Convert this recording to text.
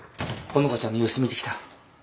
ほのかちゃんの様子を見てきた。